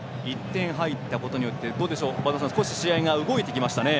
１点、入ったことによって試合が動いてきましたね。